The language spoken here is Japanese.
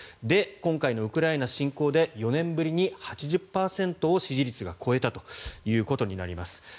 で、今回のウクライナ侵攻で４年ぶりに８０％支持率が超えたということになります。